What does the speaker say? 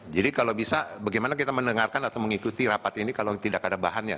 jadi kalau bisa bagaimana kita mendengarkan atau mengikuti rapat ini kalau tidak ada bahannya